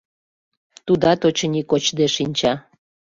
Тудат, очыни, кочде шинча.